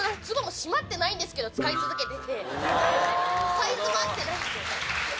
サイズも合ってないんです。